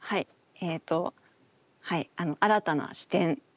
えっと「新たな視点」です。